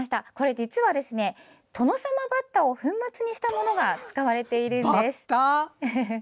実は、トノサマバッタを粉末にしたものが使われているんです。